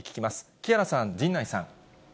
木原さん、陣内さん。